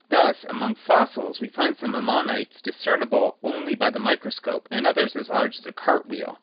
Thus among fossils, we find some ammonites discernible only by the microscope, and others as large as a cart wheel.